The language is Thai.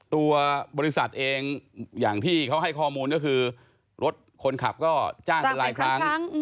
ตัวบริษัทเองอย่างที่เขาให้ข้อมูลก็คือรถคนขับก็จ้างเป็นหลายครั้ง